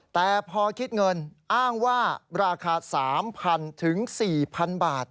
แต่พอคิดเงินอ้างว่าราคา๓๐๐๐ถึง๔๐๐๐บาท